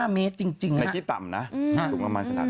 ๕เมตรจริงครับในที่ต่ำนะถูกประมาณขนาดนั้น